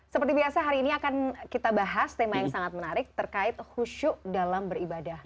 seperti biasa hari ini akan kita bahas tema yang sangat menarik terkait khusyuk dalam beribadah